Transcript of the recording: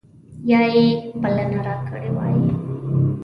یا یې بلنه راکړې وای.